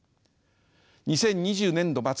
２０２２年度末